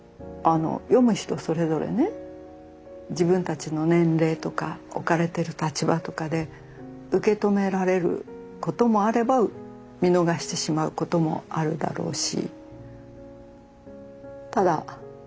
自分たちの年齢とか置かれてる立場とかで受け止められることもあれば見逃してしまうこともあるだろうし。